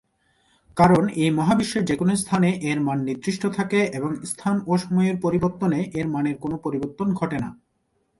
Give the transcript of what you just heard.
কারণ এই মহাবিশ্বের যেকোন স্থানে এর মান নির্দিষ্ট থাকে এবং স্থান ও সময়ের পরিবর্তনে এর মানের কোন পরিবর্তন ঘটে না।